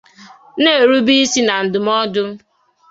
na-erube isi na ndụmọdụ